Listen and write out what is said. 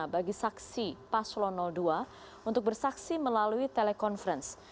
bagi saksi paslo dua untuk bersaksi melalui telekonferens